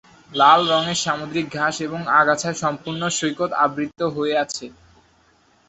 লাল রঙের সামুদ্রিক ঘাস এবং আগাছায় সম্পূর্ণ সৈকত আবৃত হয়ে আছে।